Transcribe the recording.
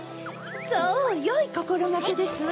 そうよいこころがけですわ。